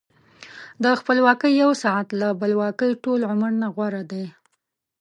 د خپلواکۍ یو ساعت له بلواکۍ ټول عمر نه غوره دی.